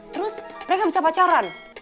terus mereka bisa pacaran